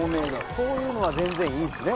こういうのは全然いいのね？